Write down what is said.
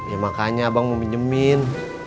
ya makanya bang mau minjemin